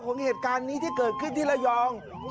เหตุการณ์นี้ที่เกิดขึ้นที่ระยอง